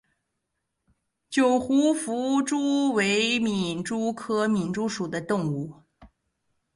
九湖弗蛛为皿蛛科弗蛛属的动物。